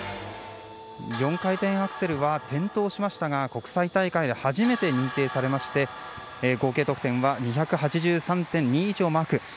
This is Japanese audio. ４回転アクセルは転倒しましたが国際大会で初めて認定されまして合計得点は２８３．２１をマーク。